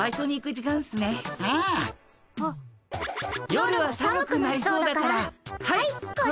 夜は寒くなりそうだからはいこれ。